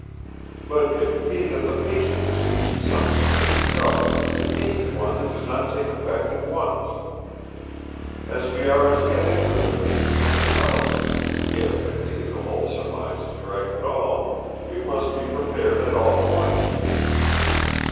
"But if it be that the patient has used some strange drug, it may be one that does not take effect at once. As we are as yet ignorant of its potentialities—if, indeed, the whole surmise is correct at all—we must be prepared at all points."